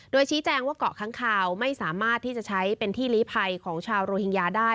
โดยชี้แจงว่าเกาะค้างคาวไม่สามารถที่จะใช้เป็นที่ลีภัยของชาวโรฮิงญาได้